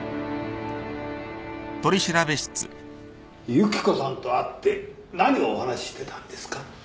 雪子さんと会って何をお話ししてたんですか？